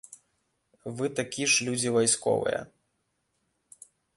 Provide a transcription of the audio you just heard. Вы такі ж людзі вайсковыя.